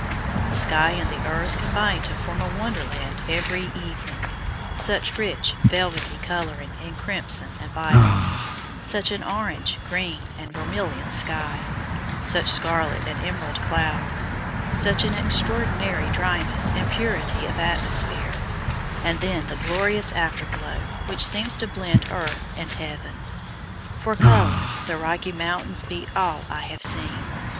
The sky and the earth combine to form a Wonderland every evening such rich, velvety coloring in crimson and violet; such an orange, green, and vermilion sky; such scarlet and emerald clouds; such an extraordinary dryness and purity of atmosphere, and then the glorious afterglow which seems to blend earth and heaven! For color, the Rocky Mountains beat all I have seen.